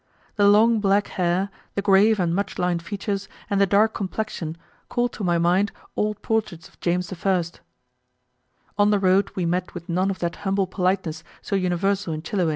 The long black hair, the grave and much lined features, and the dark complexion, called to my mind old portraits of James I. On the road we met with none of that humble politeness so universal in Chiloe.